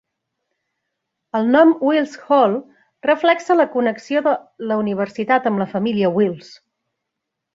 El nom Wills Hall reflexa la connexió de la universitat amb la família Wills.